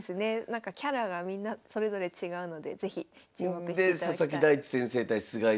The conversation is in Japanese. なんかキャラがみんなそれぞれ違うので是非注目していただきたい。